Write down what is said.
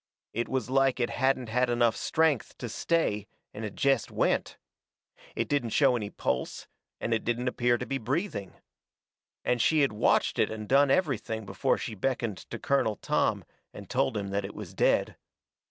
It was like it hadn't had enough strength to stay and had jest went. I didn't show any pulse, and it didn't appear to be breathing. And she had watched it and done everything before she beckoned to Colonel Tom and told him that it was dead.